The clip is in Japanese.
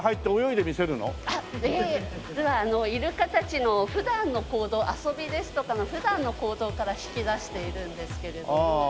いえいえ実はイルカたちの普段の行動遊びですとかの普段の行動から引き出しているんですけれども。